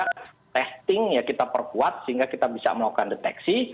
kita testing ya kita perkuat sehingga kita bisa melakukan deteksi